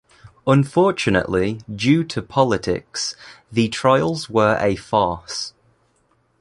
Unfortunately due to politics the trials were a farce.